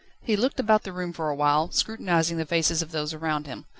He looked about the room for a while, scrutinising the faces of those around him.